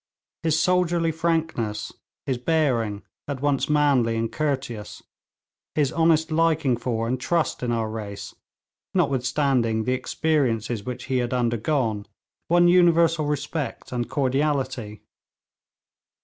His soldierly frankness, his bearing at once manly and courteous, his honest liking for and trust in our race, notwithstanding the experiences which he had undergone, won universal respect and cordiality.